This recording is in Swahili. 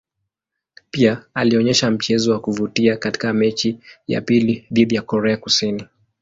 Pia alionyesha mchezo wa kuvutia katika mechi ya pili dhidi ya Korea Kusini.